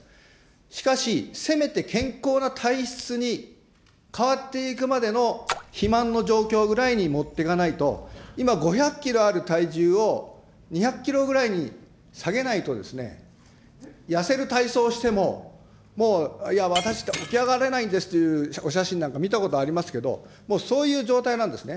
しかし、せめて健康な体質に変わっていくまでの肥満の状況ぐらいにもってかないと、今、５００キロある体重を、２００キロくらいに下げないと、痩せる体操をしても、もう、いや、私起き上がれないんですっていうお写真なんか見たことありますけど、もうそういう状態なんですね。